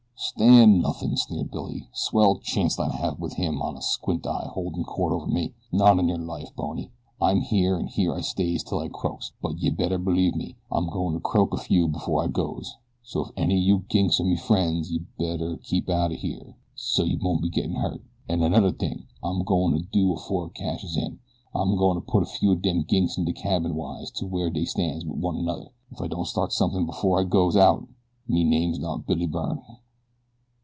"Stan' nothin'," sneered Billy. "Swell chanct I'd have wit him an' Squint Eye holdin' court over me. Not on yer life, Bony. I'm here, an' here I stays till I croaks, but yeh better believe me, I'm goin' to croak a few before I goes, so if any of you ginks are me frien's yeh better keep outen here so's yeh won't get hurted. An' anudder ting I'm goin' to do afore I cashes in I'm goin' to put a few of dem ginks in de cabin wise to where dey stands wit one anudder. If I don't start something before I goes out me name's not Billy Byrne."